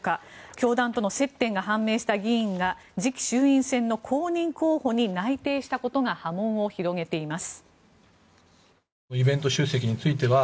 教団との接点が判明した議員が次期衆院選の公認候補に内定したことが波紋を広げています。